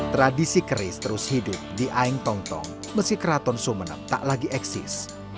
tradisi keris terus hidup di aeng tong tong meski keraton sumeneb tak lagi eksis